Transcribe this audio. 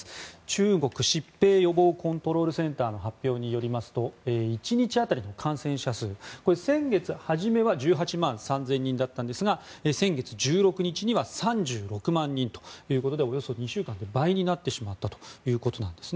中国疾病予防コントロールセンターの発表によりますと１日当たりの感染者数先月初めは１８万３０００人だったんですが先月１６日には３６万人ということでおよそ２週間で倍になってしまったということです。